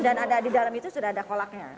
dan ada di dalam itu sudah ada kolaknya